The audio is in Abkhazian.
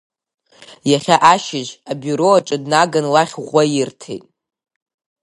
Иахьа ашьыжь абиуро аҿы днаган лахь ӷәӷәа ирҭеит.